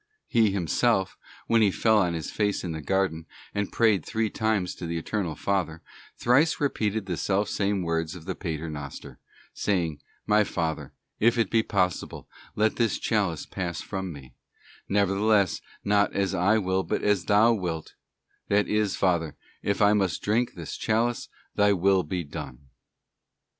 He Himself, when He fell on His face in the garden and prayed three times to the Eternal Father, thrice repeated the self same words of the Pater Noster, saying, 'My Father, if it be possible, let this chalice pass from Me; nevertheless, not as I will, but as Thou wilt ;'f— that is, Father, if I must drink this chalice, Thy Will be done.